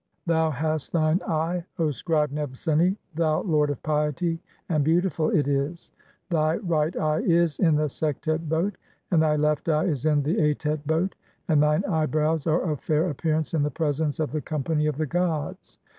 Thou hast thine "eye, O scribe Nebseni, thou lord of piety, and beautiful it is. "Thy right eye is (6) in the Sektet boat, and thy left eye is in "the Met boat ; and thine eyebrows are of fair appearance in "the presence of the (7) company of the gods.